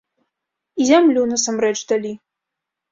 І зямлю насамрэч далі.